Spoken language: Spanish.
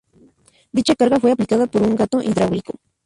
Dicha carga fue aplicada por un gato hidráulico.